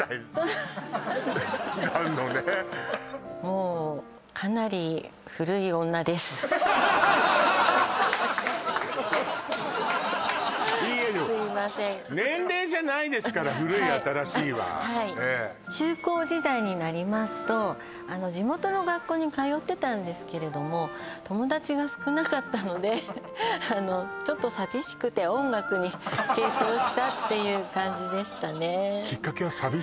なんのねもういいえでもすいません古い新しいはええはいはい中高時代になりますと地元の学校に通ってたんですけれども友達が少なかったのでちょっと寂しくて音楽に傾倒したっていう感じでしたね